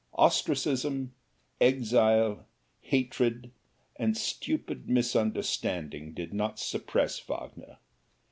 Ostracism, exile, hatred, and stupid misunderstanding did not suppress Wagner.